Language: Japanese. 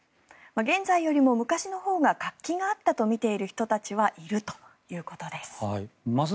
現在よりも昔のほうが活気があったと見ている人たちはいるということです。